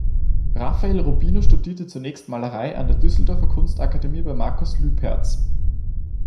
Raphael Rubino studierte zunächst Malerei an der Düsseldorfer Kunstakademie bei Markus Lüpertz.